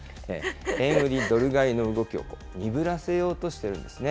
円売りドル買いの動きをにぶらせようとしているんですね。